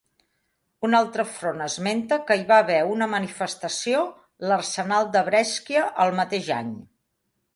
Una altra font esmenta que hi va haver una manifestació, l'Arsenal de Brescia, al mateix any.